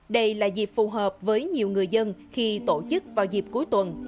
đây là dịp phù hợp với nhiều người dân khi tổ chức vào dịp cuối tuần